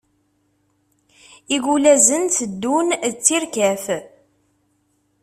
Igulazen teddun d tirkaf.